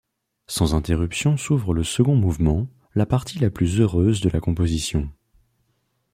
Sans interruption s'ouvre le second mouvement, la partie la plus heureuse de la composition.